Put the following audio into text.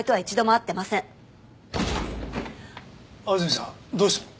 安積さんどうしたの？